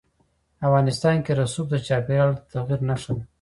افغانستان کې رسوب د چاپېریال د تغیر نښه ده.